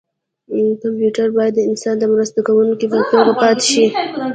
کمپیوټر باید د انسان د مرسته کوونکي په توګه پاتې شي.